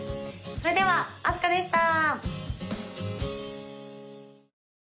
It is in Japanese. それではあすかでした！